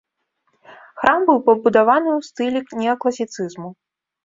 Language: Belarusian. Храм быў пабудаваны ў стылі неакласіцызму.